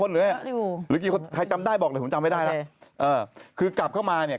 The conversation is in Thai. ๖๖คนหรือไงใครจำได้บอกเลยผมจำไม่ได้แล้วคือกลับเข้ามาเนี่ย